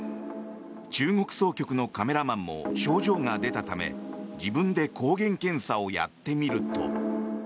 中国総局のカメラマンも症状が出たため自分で抗原検査をやってみると。